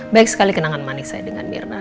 baik sekali kenangan manis saya dengan mirna